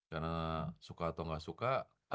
karena suka atau gak suka